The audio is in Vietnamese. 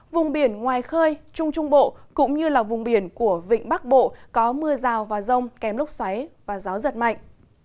vùng biển ngoài khơi trung trung bộ cũng như vùng biển của vịnh bắc bộ có mưa rào và rông kém lúc xoáy và gió giật mạnh